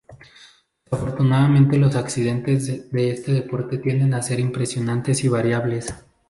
Desafortunadamente los accidentes de este deporte tienden a ser impresionantes y variables.